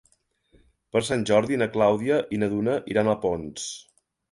Per Sant Jordi na Clàudia i na Duna iran a Ponts.